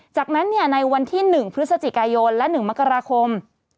จากนั้นในวันที่๑พฤศจิกายนและ๑มกราคม